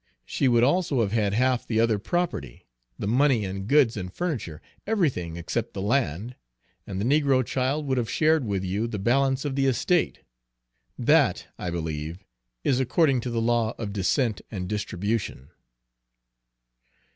She would also have had half the other property, the money and goods and furniture, everything except the land, and the negro child would have shared with you the balance of the estate. That, I believe, is according to the law of descent and distribution."